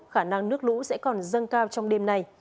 khả năng nước lũ sẽ còn dâng cao trong đêm nay